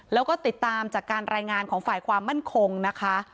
แล้วก็ติดตามจากการรายงานของฝ่ายความมั่นคงนะคะ